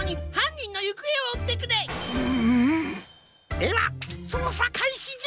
ではそうさかいしじゃ！